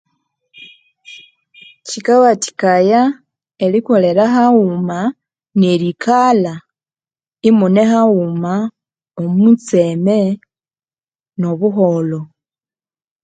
Kyikawathikaya erikolera haghuma nerikalha imune haghuma omu tseme nobuholho.